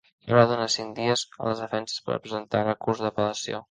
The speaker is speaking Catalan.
Ara dóna cinc dies a les defenses per a presentar recurs d’apel·lació.